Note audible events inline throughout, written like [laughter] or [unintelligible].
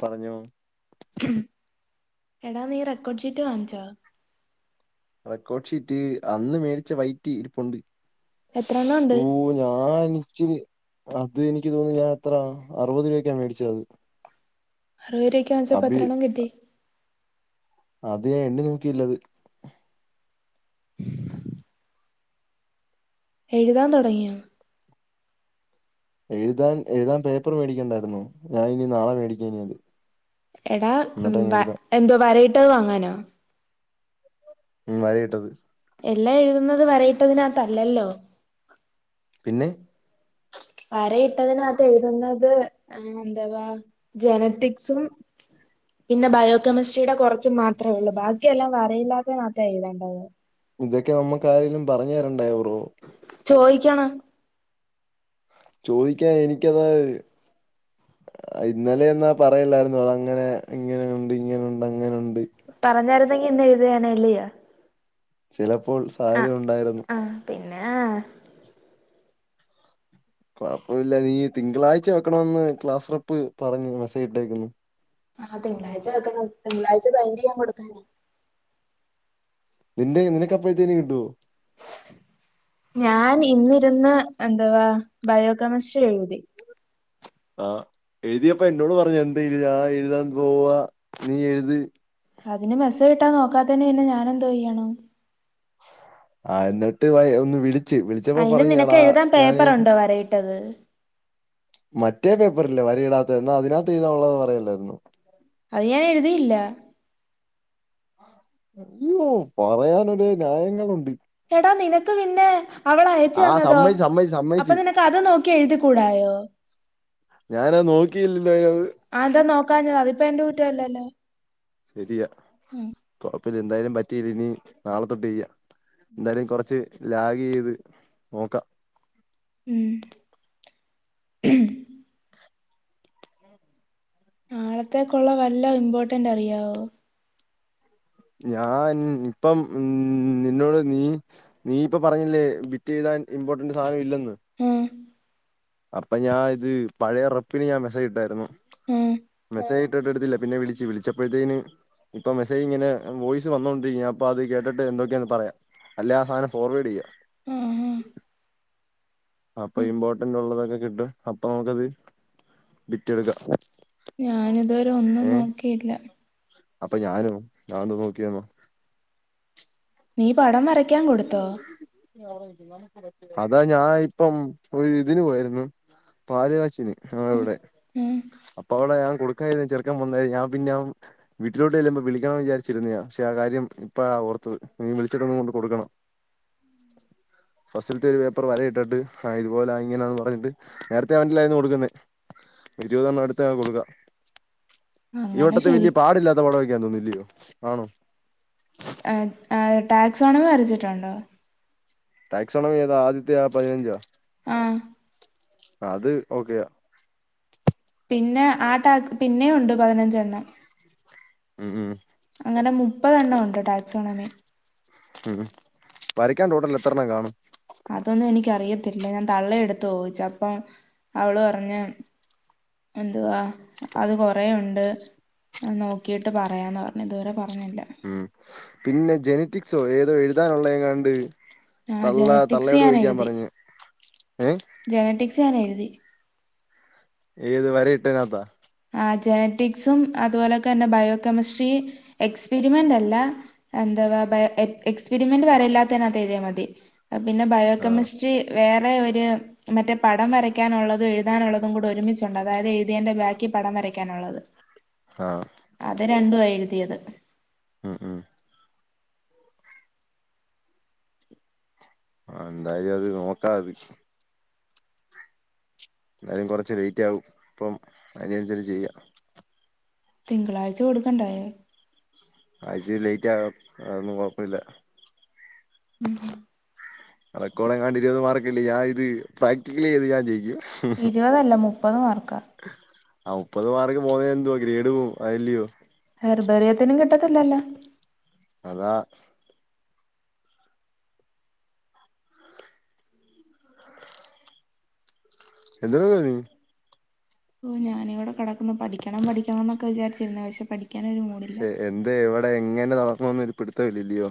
പറഞ്ഞോ എടാ നീ റെക്കോർഡ് ഷീറ്റ് വാങ്ങിച്ചോ റെക്കോർഡ് ഷീറ്റ് അന്ന് മേടിച്ച വൈറ്റിരുപ്പുണ്ട് എത്രണ്ണം ഉണ്ട് ഓ ഞാന ഇച്ചിരി അത് എനിക്ക് തോന്നുന്നു ഞാൻ എത്ര അറുപത് രൂപക്കാ മേടിച്ചത് അറുപത് രൂപക്ക് അത് വങ്ങിച്ചപ്പം അബി എത്രണ്ണം കിട്ടി അത് ഞാൻ എണ്ണി നോക്കിലത് എഴുതാൻ തൊടങ്ങിയോ എഴുതാൻ എഴുതാൻ പേപ്പറ് വേടിക്കണ്ടായിരുന്നോ ഞാൻ ഇനി നാളെ മേടിക്കനിയത് എടാ വ എന്തോ വരയിട്ടത് വാങ്ങാനോ ഉം വര ഇട്ടത് എല്ലാം എഴുതുന്നത് വരയിട്ടതിനത്തല്ലല്ലോ പിന്നെ വരയിട്ടതിനത്ത് എഴുതുന്നത് എന്താവാ ജനറ്റിക്സും പിന്നെ ബയോകെമിസ്ട്രിടെ കുറച്ചും മാത്രമേ ഉള്ളൂ ബാക്കിയെല്ലാം വരയില്ലാത്തിനകത്ത എഴുതണ്ടത് ഇതൊക്കെ നമ്മക്ക് ആരെലും പറഞ്ഞു തരണ്ടായോ ബ്രോ ചോയിക്കണ ചോദിക്കാൻ എനിക്കത് ഇന്നലെന്നാ പറയലായിരുന്നു അതങ്ങനെ ഇങ്ങനെയുണ്ട് ഇങ്ങനെണ്ട് അങ്ങനെയുണ്ട് പറഞ്ഞായിരുന്നെങ്കി ഇന്ന് എഴുതിയാനല്ലയോ ചില പ്പോൾ സാധ്യതയുണ്ടായിരുന്നു ആഹ് കൊഴപ്പമില്ല ഈ തിങ്കളാഴ്ച വെക്കണന്ന് ക്ലാസ്സ്റപ്പ് പറഞ് മെസ്സേജ് ഇട്ടേക്കുന്നു ആഹ് തിങ്കളാഴ്ച വെക്കണം തിങ്കളാഴ്ച ഭയിന്റ് ചെയ്യാൻ കൊടുക്കാന നിന്റെ നിനക്കപ്പഴത്തേനു കിട്ടുവോ ഞാൻ ഇന്നിരുന്ന് എന്താവാ ബയോകെമിസ്ട്രി എഴുതി ആഹ് എഴുതിയപ്പ എന്നോട് പറഞ്ഞു എന്താ എഴുതി ആ എഴുതാൻ പോവാ നീ എഴുത് അതിന് മെസ്സേജ് ഇട്ടാനോക്കാത്തയിന് പിന്നെ ഞാൻ എന്തോ ചെയ്യണം ആ എന്നിട്ട് വ ഒന്ന് വിളി അയിന് നിനക്ക് എഴുതാൻ പേപ്പറ് ഒണ്ടോ വരയിട്ടത് മറ്റേ പേപ്പറല്ലേ വരയിടാത്ത എന്നാ അതിനകത്ത് എഴുതാൻ ഉള്ളത് പറയല്ലായിരുന്നോ അത് ഞാൻ എഴുതിയില്ല അയ്യോ പറയാന് ഒരേ ന്യായങ്ങളുണ്ട് എടാ നിനക്ക് പിന്നെ ആ അവളയച്ചുന്നതോ സമ്മതിച്ച് സമ്മതിച്ച് അപ്പൊ സമ്മതിച്ച് നിനക്ക് അത് നോക്കി എഴുതി കൂടായോ ഞാനത് നോക്കിയില്ലല്ലോ അതിനത് അതാ നോക്കാഞ്ഞെ അ പ്പ എന്റെ കുറ്റല്ലല്ലേ ശരിയാ ഉം അപ്പ ഇനി എന്തായാലും പറ്റിയില്ലങ്കി നാളെത്തൊട്ട് ചെയ്യാ എന്തായാലും കൊറച്ച് ലാഗ് എയ്ത് നോക്കാം ഉം നാളത്തേക്കൊള്ള വല്ല ഇമ്പോട്ടന്റ് അറിയാവോ ഞാൻ ഇപ്പം ഉ നിന്നോട് നീ നീയിപ്പ പറഞ്ഞില്ലേ ബിറ്റ് ചെയ്താൻ ഇമ്പോർട്ടന്റ് സാധനം ഇല്ലെന്ന് ആ അപ്പൊ ഞാൻ ഇത് പഴയ റെപ്പിന് ഞാൻ മെസ്സേജ് ഇട്ടാരുന്നു ആ മെസ്സേജ് ഇട്ടിട്ട് എടുത്തില്ല പിന്നെ വിളിച്ചു വിളിച്ചപ്പോഴത്തെന് ഇപ്പൊ മെസ്സേജ് ഇങ്ങനെ വോയിസ് വന്നോണ്ട് ഞാൻ അപ്പൊ അത് കേട്ടിട്ട് എന്തൊക്കെയാന്ന് പറയാം അല്ല ആ സാധനം ഫോർവേഡ് ചെയ്യാം ആ ആ [inaudible] അപ്പൊ ഇമ്പോർട്ടൻ്റുള്ളതൊക്കെ കിട്ടും അപ്പൊ നമുക്കത്‌വി റ്റെടുക്കാം ഞാനിതുവരെ ഒന്നും നോക്കിയില്ല അപ്പൊ ഞാനും ഞാനും നോക്കിയന്നോ നീ പടം വരയ്ക്കാൻ കൊടുത്തോ അതാ ഞാനിപ്പം ഒരു ഇതിന് പോയിരുന്നു പാലുകാച്ചിന് ആ ഉം ഇവിടെ ഉം അപ്പ അവിടെ ഞാൻ കൊടുക്കായിരുന്നു ചെറക്കൻ വന്നെ ഞാ പിന്നെ വീട്ടിലോട്ട് ചെല്ലുമ്പം വിളിക്കണവെന്ന് വിചാച്ചിരുന്നയാപക്ഷേ ആ കാര്യം ഇപ്പയ ഓർത്തത് നീ വിളിച്ചിട്ടൊന്ന് കൊടുക്കണം ഫസ്റ്റിലത്തെ ഒരു പേപ്പർ വര ഇട്ടിട്ട് ആ ഇതുപോലെ ഇങ്ങനാന്ന് പറഞ്ഞിട്ട് നേരത്തെ [unintelligible] കൊടുക്കുന്നത് ഇരുപതെണ്ണം എടുത്ത് കൊടുക്കാം ഈ അങ്ങനെ വട്ടത്തെ ശരി വലിയ പാടില്ലാത്ത പടയൊക്കയാണ്തോന്ന് യ്യോആണോ ടാക്സോണവ് വരച്ചിട്ടുണ്ടോ ടാക്സോണവേതാ ആദ്യത്തെയാ പതിനഞ്ചോ ആ അത് ഓക്കെയാ പിന്നെ ആ ടാക് പിന്നെയൊണ്ട് പതിനഞ്ചെണ്ണം ഉം ഉം അങ്ങനെ മുപ്പതെണ്ണം ഉണ്ട് ടാക്സോണമി ഉം വരയ്ക്കാൻ റൂട്ടല്ല എത്രണ്ണം കാണും പത്തില്ല ഞാൻ തള്ള അടുത്തു ചോദിച്ചു അപ്പൊ അവള് പറഞ്ഞ് എന്തുവാ അത് കൊറേ യുണ്ട് ണ്ട്നോക്കിയിട്ട് പറയാന്നപറഞ്ഞ ഇതുവരെ പറഞ്ഞി ഉം പിന്നെ ജെനറ്റിക് ശോ ഏതോ എഴുതാനുള്ള യെങ്ങാണ്ട് ആ ജെനറ്റിക്സ് ഞാനെഴുതി ഏഹ് ജനറ്റിക്സ് ഞാനെഴുതി ഏത് വരെ ഇട്ടേനാത്ത ജനറ്റിക്സും അതുപോലൊക്കെ തന്നെ ബയോകെമിസ്ട്രി എക്സ്പെരിമെന്റ് അല്ല എന്താവാ എക്സ്പെരിമെന്റ് വരെല്ലാത്തതിനകത്ത് എഴുതിയാ മതി പിന്നെ ബയോ ആഹ് കെമിസ്ട്രി വേറെ ഒരു മറ്റേ പടം വരയ്ക്കാനുള്ളതും എഴുതാനുള്ളതും കൂടെ ഒരുമിച്ചുണ്ട് അതായത് എഴുതിയതിൻ്റെ ബാക് ക്കിപടം വരയ്ക്കാനുള്ളത് ആഹ്‌ രണ്ടുമാ എഴുതിയത് ഉംഉം ആ എന്തായാലും അത് നോക്കാത് എന്നാലും കുറച്ച് ലേറ്റ് ആകും ഇപ്പം അതിനനുസരിച്ച് ചെയ്യാം തിങ്കളാഴ്ച കൊടുക്കണ്ടായോ ആതിച്ചി ലേറ്റ് ആകും അതൊന്നും കൊഴപ്പുല്ല [inaudible] റെക്കോ ഡെങ്ങാണ്ട് ഇരുപത് മാർക്കറ്റല്ല ഞാനിത് പ്രാക്ടിക്കല് ചെയ്ത് ഞാൻ ജയിക്കും ഇരുവതല്ല മുപ്പത് മാർക്കാ ആ മുപ്പത് മാർക് പോന്നേ എന്തുവാ ഗ്രേഡ് പോവും അതല്യോ ർബേറിയത്തിനും കിട്ടത്തില്ലല്ല അതാ ഇത് ഓ ഞാനിവിടെ കെടക്കന്ന് പഠിക്കണം പഠിക്കണം എന്നൊക്കെ വിചാരിച്ച് പക്ഷെ പഠി ക്ഷേ എന്തേ എവ ടെ എങ്ങനെ [unintelligible] ഒരു പിടുത്തോയിലിയോ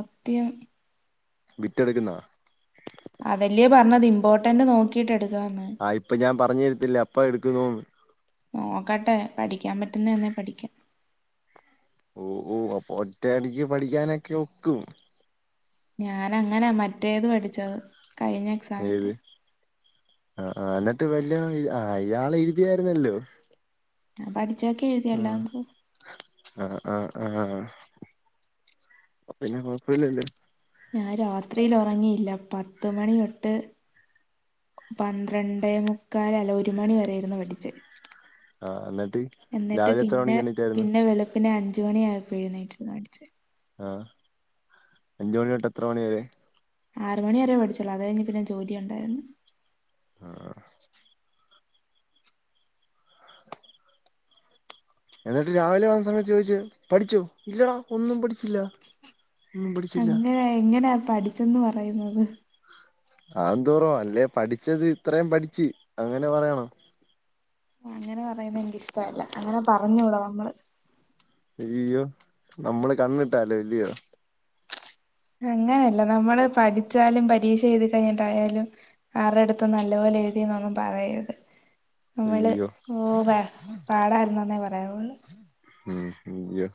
അത്യം വിറ്റെടുക്കുന്നതാ അതല്യോ പറന്നത് ഇമ്പോർട്ടന്റ് നോക്കീട്ടെട് ആഹ് ഇപ്പ ഞാം പറഞ്ഞുരത്തില്ല അപ്പ എടുക്കുന്നോന്ന് നോക്കട്ടെ പഠിക്കാം പറ്റുന്നന്നെ പഠിക്കാം ഓ ഓ അപ്പൊ ഒറ്റ അടിക്ക് പഠിക്കാനക്കെ ഒക്കും ഞാനങ്ങനാ മറ്റേത് പഠിച്ചത് കയിഞ്ഞ ഏത് എക്സാമിന്റെ ആ ആ എന്നട്ട് വല്യ ആ അയാളെഴുതിയാരുന്നല്ലോ ഉം പഠി ചേക്കേ എഴുതിയല്ല - ആഹാഹാ പിന്നെ കൊഴപ്പില്ലല്ലോ ഞാ രാത്രിൽ ഒറങ്ങിയില്ല പത്ത് മണിതൊട്ട് പന്ത്രണ്ടേ മുക്കാലല്ല ഒരു മണി വരെയിരുന്നു പഠിച്ച് ആ ന്ന എന്നിട്ട് പിന്നെ പിന്നെ വെളുപ്പിനെ അന് ഞ്ചോണിയായപ്പ എഴുന്നേറ്റിയിട്ടിരുന്നഠിച്ച ആഹ് അഞ്ചുമണി തൊട്ട് എത്ര മണിവരെ ആറ് മണി വരേ പഠിച്ചൊള്ളു അതഴിഞ്ഞ് പിന്നെ ജോലി ഒണ്ടായിരുന്നു ആഹ് എന്നിട്ട് രാവിലെ വന്ന സമയത്ത് ചോദിച്ചു പഠിച്ചോ ഇല്ലടാ ഒന്നും പഠിച്ചില്ല ഒന്നും പഠിച്ചില്ല അങ്ങനെ എങ്ങനാ പഠി ചന്ന് പറയുന്നത് ആന്തോറവാ അല്ലേ പഠിച്ചത് ഇത്രേം പഠിച്ചി അങ്ങനെ പറയണം അങ്ങനെ പറയുന്ന എനിക്ക് ഇഷ്ടല്ല അങ്ങനെ പറഞ്ഞൂടാ നമ്മള് ഇയ്യോ നമ്മള് കണ്ണിട്ടാലോ ഇല്യോ അങ്ങനല്ല നമ്മള് പഠിച്ചാലും പരീക്ഷ എഴുതി കഴിഞ്ഞിട്ടായാലും ആരുടെ അടുത്തും നല്ല പോലെ എഴുതിയെന്നൊന്നും പറയത് നമ്മള് അയ്യോ ഓവേ പാടായിരുന്നന്നേ പറയാവൊള്ളു ഉം യ്യോ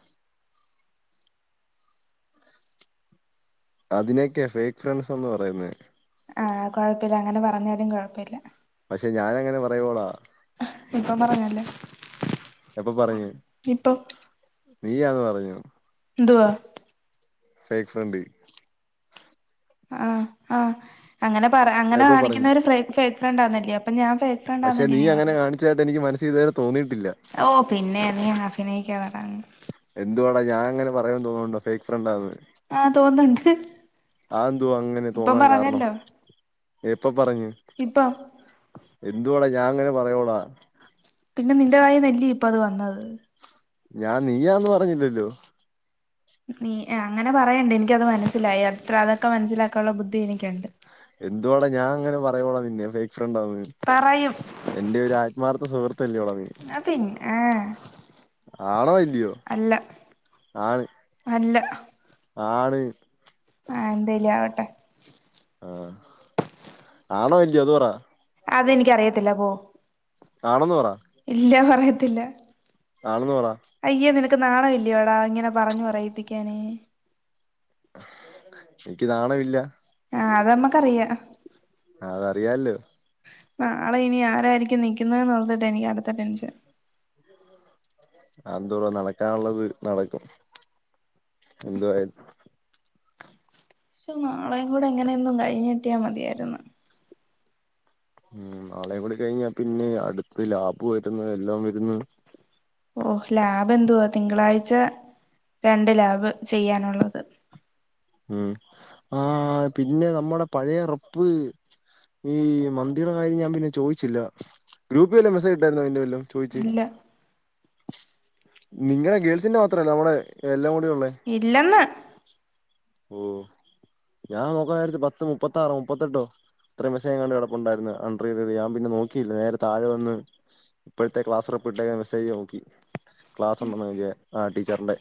അതിനേക്കെയാ ഫേക്ക് ഫ്രണ്ട്സെന്ന് പറയുന്നേ ആ കൊഴപ്പില്ല അങ്ങനെ പറഞ്ഞാലും കൊഴപ്പില്ല പക്ഷെ ഞാനങ്ങനെ പറയുവോടാ ഇപ്പം പറഞ്ഞല്ലേ ഇപ്പൊ നീയന്ന് പറഞ്ഞു. ന്തുവാ. Fake friend. ആഹ് ആഹ്. അങ്ങനെ പറ അങ്ങനെ എപ്പൊ പറഞ്ഞു കാണിക്കുന്നൊരു ഫ്രേ ഫേക്ക് ഫ്രണ്ട് ആന്നല്യോ അപ്പോ ഞാൻ ഫേക്ക് പക്ഷെ ഫ്രണ്ടാന്നല്ലേ നീ അങ്ങനെ പറഞ്ഞെ കാണിച്ചായിട്ട് എനിക്ക് മന [unintelligible] തോന്നിയിട്ടില്ല. ഓ പിന്നെ നീ അഫിനയിക്കുവതാണ്‌. എന്തുവാടാ ഞാ അങ്ങനെ പറയുന്ന് തോന്നണുണ്ടോ ഫേക്ക് ഫ്രണ്ടാന്ന്. ആഹ് തോന്നണ്ട് അതെന്തുവാ ഇപ്പം പറഞ്ഞല്ലോ. എപ്പം പറഞ്ഞ് ഇപ്പം എന്തുവാട ഞാ അങ്ങനെ പറയോട. പിന്നെ നിന്റെ വായെ നെല്ലി ഇപ്പഅത് വന്നത്. ഞാൻ നീയാന്ന് പറഞ്ഞില്ലല്ലോ. നീ അങ്ങനെ പറയണ്ട് എനിക്കത് മനസ്സിലായി. അത്ര അതൊക്കെ മനസ്സിലാക്കാള്ള ബുദ്ധി എനിക്കുണ്ട്. എന്തുവാടാ ഞാ അങ്ങനെ പറയോളാ നിന്നെ ഫേ ഫ്രണ്ടന്ന് പറയും എന്റെ ഒരു ആത്മാർത്ഥ സുഹൃത്ത് തല്യോടാ നീ പിന്നെ ആ ആണോ ഇല്ലിയോ അല്ല ആണ് ആണ്. പറയും. ആഹ് എന്തലു ആവട്ടെ. ആഹ് ആണോ ല്ലിയോ അത് പറ. അതെനിക്കറിയത്തില്ല പോ. ആണന്ന് പറ. ഇല്ല പറയത്തില്ല. ആണന്ന് പറ. ക്ക് നാണോ ഇല്ല്യോടാ ഇങ്ങനെ പറഞ്ഞു പറയിപ്പിക്കാന്. എനിക്ക്നാണ ഇല്ല. ആഹ് അത് നമ്മക്കറിയാ. ആഹ് അതറിയല്ലോ. നാളെ ഇനി ആരായിരിക്കും നിക്കുന്നെന്ന് ഓർത്തിട്ട് എനിക്ക് അടുത്ത ടെൻഷൻ. ആന്തോറ നടക്കാനുള്ളത് നടക്കും. എന്തുവായിത് ശോ നാളെങ്ങൂടെ എങ്ങനെയൊന്ന് കഴിഞ്ഞിട്ടിയാ മതിയാര്ന്നു ഉം നാളെ കൂടി കഴിഞ്ഞാ പിന്നെ അടുത്ത് ലാഭ് വരുന്ന എല്ലാം വരുന്നെ ഓ ലാബ് എന്തുവാ തിങ്കളാഴ്ച രണ്ട് ലാബ് ചെയ്യാനുള്ളത് ഉം ആ പിന്നെ നമ്മടെ പഴേ റപ്പ് ഈ മന്തിടെ കാര്യം ഞാൻ പിന്നെ ചോദിച്ചില്ല ഗ്രൂപ്പ് വല്ലെ മെസ്സേജ് ഇട്ടായിരുന്നോ പിന്നെ വല്ലോം ഇല്ല നിങ്ങടെ ഗേൾസിന്റെ മാത്രല്ല നമ്മടെ എല്ലാ ഇല്ലെന്ന് ഓ ഞാൻ നോക്കാൻനേരത്ത് പത്ത് മുപ്പത്താറോ മുപ്പത്തെട്ടോ ഇത്രയും മെസ്സെജെങ്ങാണ്ട് കിടപ്പുണ്ടായിരുന്നു അണ്ടറ് ചെയ്തത് ഞാൻ പിന്നെ നോക്കിയില്ല നേരെ താഴെ വന്ന് ഇപ്പോഴത്തെ ക്ലാസ്റപ് ഇട്ട മെസ്സേജ് നോക്കി ക്ലാസ്ഉണ്ടെന്നു [unintelligible] ആ ടീച്ചറിന്റെ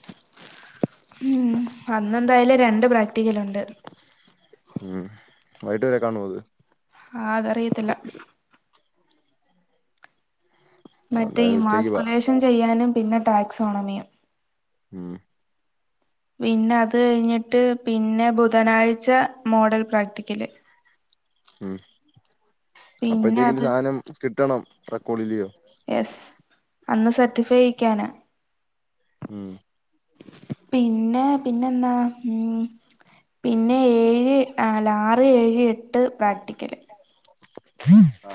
ഉം അന്നെന്തായാലും രണ്ട് പ്രാ റ്റിക്കലുണ്ട് ഉം വൈകിട്ട് വരെ കാണുമോ അത്‌ ആ അതറിയത്തില്ല ആ മറ്റേ ഈ എന്തായാലും ഉച്ചയ്ക്ക് വാ മാസ്കുലേഷൻ ചെയ്യാനും പിന്നെ ടാക്സോണമിയും ഉം പിന്നെ അത് കഴിഞ്ഞിട്ട് പിന്നെ ബുധനാഴ്ച മോഡൽ പ്രാക്ടിക്കല് ഉം പിന്നെ അപ്പഴത്തിന് അത് സാനം കിട്ടണം റെക്കോളില്ലിയോ യെസ് അന്ന് സർട്ടിഫൈ ചെയ്യിക്കാനാ ഉം പിന്നെ പിന്നെന്താ ഉം പിന്നെ ഏഴ് അല്ല ആറ് ആറ് ഏഴ് എട്ട് പ്രാക്ടിക്കല്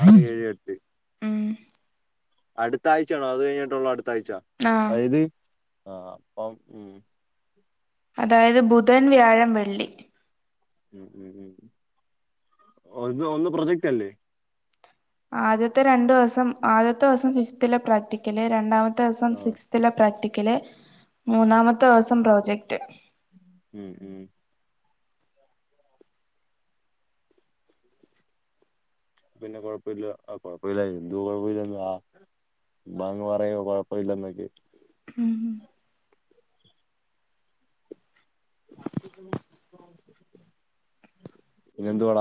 ആറ് ഏഴ് എട്ട് അടുത്ത ആഴ്ചയാണോ അത് കഴിഞ്ഞിട്ടുള്ളോ അടു ആഹ് [unintelligible] ആ അപ്പം അതായത് ബുധൻ വ്യാഴം വെള്ളി ഉം ഒന്ന് ഒന്ന് പ്രൊജെക്റ്റ് അല്ലെ ആദ്യത്തെ രണ്ട് ദിവസം ആദ്യത്തെ ദിവസം ഫിഫ്ത്തിലെ പ്രാക്റ്റിക്കല് രണ്ടാമ ത്തെ ദിവസം ആ സിക്സ്തിലെ പ്രാക്ടിക്കല് ക്കല് മൂന്നാമത്തെ ടോസം പ്രോജക്റ്റ് [inaudible] പിന്നെ കൊഴപ്പില്ല ആ കൊഴപ്പമില്ല എന്ത് കൊഴപ്പമില്ലന്ന ആ ചുമ്മാ അങ്ങ് പറയ കൊഴപ്പില്ലന്നൊക്കെ ഉം പിന്നെ എന്തുവാടാ